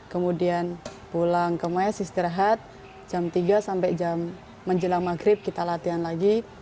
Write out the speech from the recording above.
kemudian pulang ke mes istirahat jam tiga sampai jam menjelang maghrib kita latihan lagi